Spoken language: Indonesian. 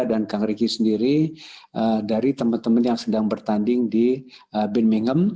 dan kang riki sendiri dari teman teman yang sedang bertanding di birmingham